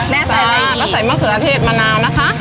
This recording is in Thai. นะคะเราใส่มะเขืออเทศมะนาวนะคะ